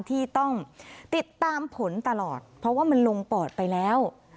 ที่ต้องติดตามผลตลอดเพราะว่ามันลงปอดไปแล้ว